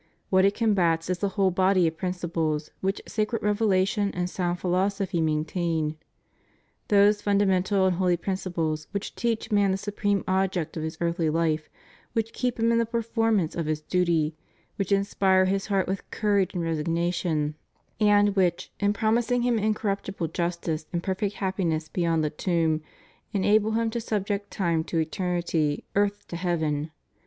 What it combats is the whole body of principles which sacred revelation and sound philosophy maintain; those fundamental and holy principles which teach man the supreme object of his earthly life, which keep him in the performance of his duty, which inspire his heart with courage and resigna tion, and which, in promising him incorruptible justice and perfect happiness beyond the tomb, enable him to subject time to eternity, earth to heaven.